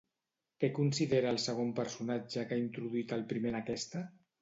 Què considera el segon personatge que ha introduït el primer en aquesta?